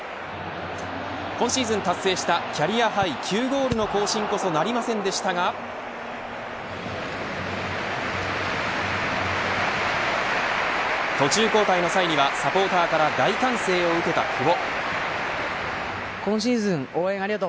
今シーズン達成したキャリアハイ９ゴールの更新こそなりませんでしたが途中交代の際にはサポーターから大歓声を受けた久保。